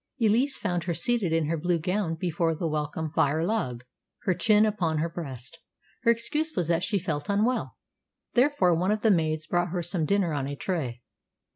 Elise found her seated in her blue gown before the welcome fire log, her chin upon her breast. Her excuse was that she felt unwell; therefore one of the maids brought her some dinner on a tray.